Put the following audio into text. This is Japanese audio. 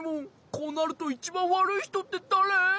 こうなるといちばんわるいひとってだれ？